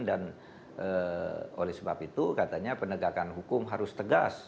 dan oleh sebab itu katanya penegakan hukum harus tegas